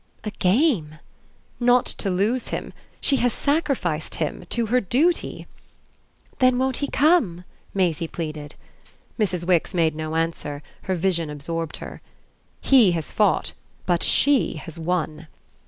"A game?" "Not to lose him. She has sacrificed him to her duty." "Then won't he come?" Maisie pleaded. Mrs. Wix made no answer; her vision absorbed her. "He has fought. But she has won."